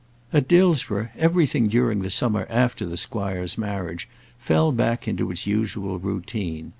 At Dillsborough everything during the summer after the Squire's marriage fell back into its usual routine.